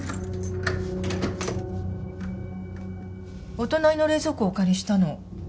お隣の冷蔵庫をお借りしたの。